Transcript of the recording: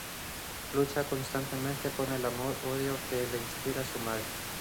Lucha constantemente con el amor-odio que le inspira su madre.